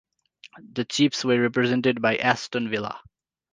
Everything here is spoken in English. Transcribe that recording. The Chiefs were represented by Aston Villa.